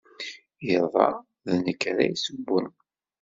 Iḍ-a, d nekk ara d-yessewwen.